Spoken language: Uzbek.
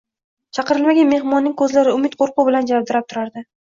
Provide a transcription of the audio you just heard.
Chaqirilmagan mehmonning ko`zlari umid, qo`rquv bilan javdirab turardi